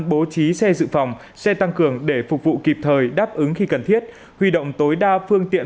bố trí xe dự phòng xe tăng cường để phục vụ kịp thời đáp ứng khi cần thiết huy động tối đa phương tiện